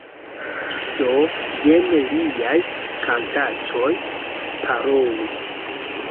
Do, jen liaj kantaĉoj, Parolu